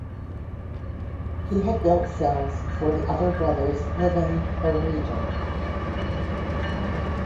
He had built cells for the other brothers living the region.